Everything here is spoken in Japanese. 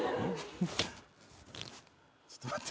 ちょっと待って。